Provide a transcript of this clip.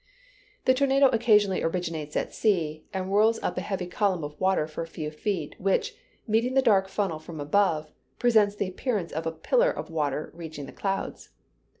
The tornado occasionally originates at sea and whirls up a heavy column of water for a few feet, which, meeting the dark funnel from above, presents the appearance of a pillar of water reaching the clouds.